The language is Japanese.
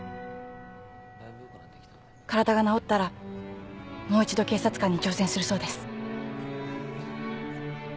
体が治ったらもう一度警察官に挑戦するそうです。